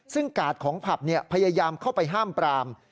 ซึ่งกาดของผับพยายามเข้าไปห้ามปราม